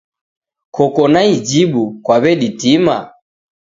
Koko na ijibu, kwaweditima.